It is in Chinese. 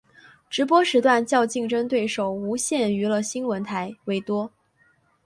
直播时段较竞争对手无线娱乐新闻台为多。